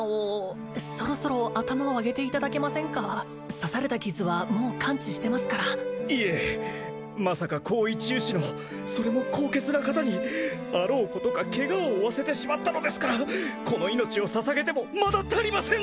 刺された傷はもう完治してますからいえまさか高位治癒士のそれも高潔な方にあろうことかケガを負わせてしまったのですからこの命を捧げてもまだ足りません！